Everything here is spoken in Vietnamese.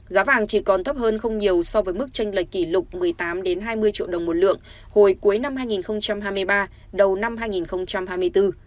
giá vàng chỉ còn thấp hơn không nhiều so với mức tranh lệch kỷ lục một mươi tám hai mươi triệu đồng một lượng hồi cuối năm hai nghìn hai mươi ba đầu năm hai nghìn hai mươi bốn